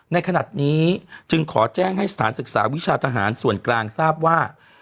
ในขณะนี้จึงขอแจ้งให้สถานศึกษาวิชาทหารส่วนกลางทราบว่า